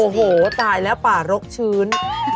แต่ตายแล้วป่ารกชื้น